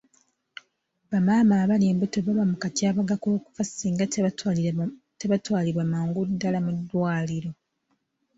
Bamaama abali embuto baba mu katyabaga k'okufa singa tebatwalibwa mangu ddaala mu ddwaliro.